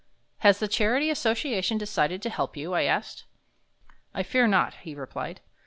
"Has the charity association decided to help you?" I asked. "I fear not," he replied.